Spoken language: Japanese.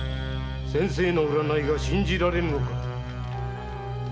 先生の占いが信じられぬのか。